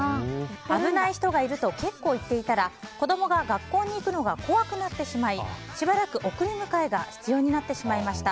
危ない人がいると結構言っていたら子供が学校に行くのが怖くなってしまいしばらく送り迎えが必要になってしましました。